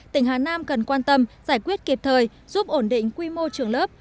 tỉnh hà nam cần quan tâm giải quyết kịp thời giúp ổn định quy mô trường lớp